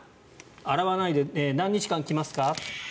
洗わないで何日間着ますか？